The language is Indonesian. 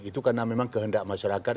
itu karena memang kehendak masyarakat